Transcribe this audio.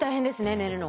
寝るの。